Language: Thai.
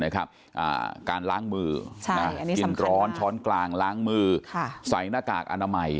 การล้างมือกินร้อนช้อนกลางล้างมือใส่หน้ากากอนามัย